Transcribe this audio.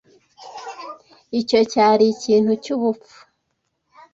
Icyo cyari ikintu cyubupfu.